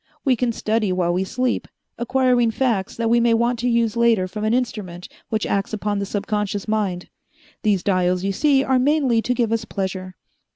We can study while we sleep, acquiring facts that we may want to use later from an instrument which acts upon the subconscious mind. These dials you see are mainly to give us pleasure.